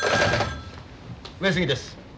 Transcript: ☎上杉です。